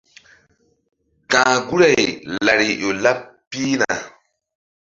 Ka̧h guri-ay lari ƴo laɓ pihna.